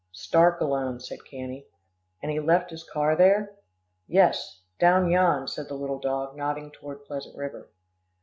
"Stark alone," said Cannie. "And he left his car there?" "Yes, down yon," said the little dog, nodding toward Pleasant River.